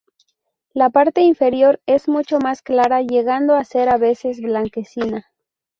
La parte inferior es mucho más clara llegando a ser a veces blanquecina.